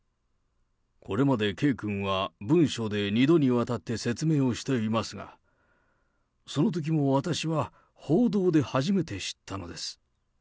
これまで圭君は文書で２度にわたって説明をしていますが、そのときも私は報道で初めて知ったのです。